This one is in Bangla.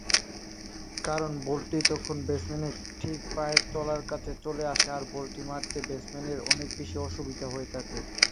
কারণ বলটি তখন ব্যাটসম্যানের ঠিক পায়ের তলার কাছে চলে আসে আর বলটি মারতে ব্যাটসম্যানের বেশ অসুবিধা হয়ে থাকে।